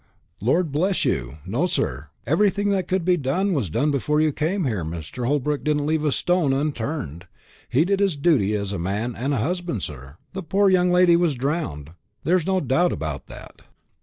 "Lord bless you, no sir. Everything that could be done was done before you came here. Mr. Holbrook didn't leave a stone unturned. He did his duty as a man and a husband, sir. The poor young lady was drowned there's no doubt about that."